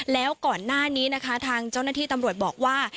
แล้วก่อนหน้านี้นะคะทางเจ้าหน้าที่ตำรวจบอกว่า